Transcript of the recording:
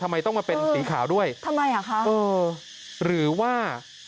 ทำไมต้องมาเป็นสีขาวด้วยหรือว่า